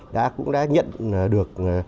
đã cũng đã nhận được